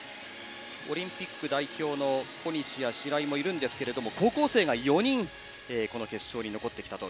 オリンピック代表の小西や白井もいるんですけれども高校生が４人決勝に残っています。